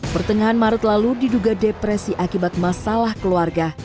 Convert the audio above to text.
pertengahan maret lalu diduga depresi akibat masalah keluarga